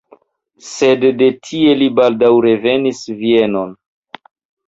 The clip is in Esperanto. Sed de tie li baldaŭ revenis Vienon.